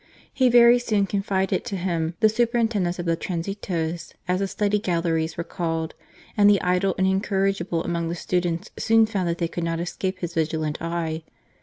He very soon confided to him the superintendance of the transitos, as the study galleries were called, and the idle and incorrigible among the students soon found that they could not escape his vigilant eye.